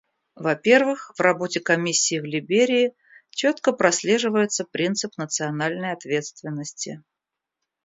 Во-первых, в работе Комиссии в Либерии четко прослеживается принцип национальной ответственности.